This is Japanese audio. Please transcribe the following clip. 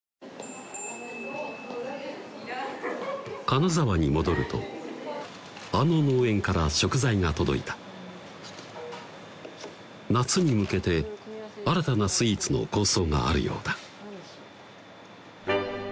金沢に戻るとあの農園から食材が届いた夏に向けて新たなスイーツの構想があるようだ